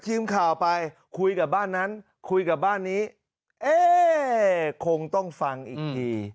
ทีมข่าวไปคุยกับบ้านนั้นคุยกับบ้านนี้เอ๊คงต้องฟังอีกที